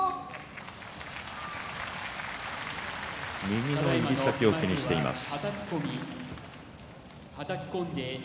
右の指先を気にしています。